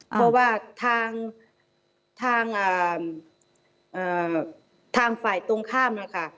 เพราะว่าทางฝ่ายตรงข้ามนะคะ